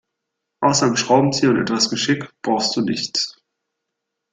Außer einem Schraubenzieher und etwas Geschick brauchst du nichts.